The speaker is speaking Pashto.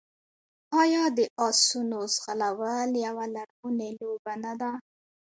آیا د اسونو ځغلول یوه لرغونې لوبه نه ده؟